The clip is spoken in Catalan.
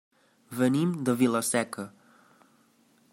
Venim de Vila-seca.